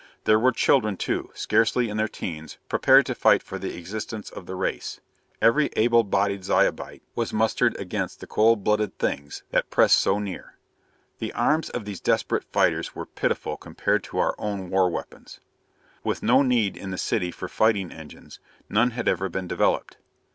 There were children, too, scarcely in their teens, prepared to fight for the existence of the race. Every able bodied Zyobite was mustered against the cold blooded Things that pressed so near. The arms of these desperate fighters were pitiful compared to our own war weapons. With no need in the city for fighting engines, none had ever been developed.